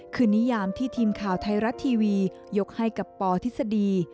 คือนิยามที่ทีมข่าวไทยรัฐทีวียกให้กับปทฤษฎี